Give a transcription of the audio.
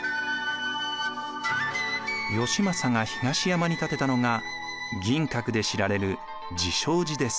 義政が東山に建てたのが銀閣で知られる慈照寺です。